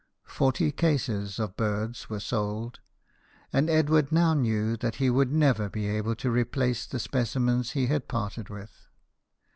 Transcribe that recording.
Forty cases of birds were sold ; and Edward now knew that he would never be able to replace the specimens he had parted with.